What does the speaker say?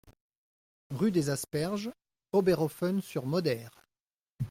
Rue des Asperges, Oberhoffen-sur-Moder